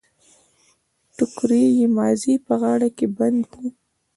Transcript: ټکری يې مازې په غاړه کې بند و.